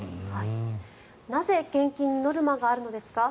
なぜ、献金にノルマがあるのですか？